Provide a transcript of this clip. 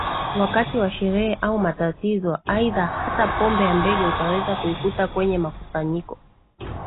wakati wa sherehe au matatizo Aidha hata pombe ya mbege utaweza kuikuta kwenye makusanyiko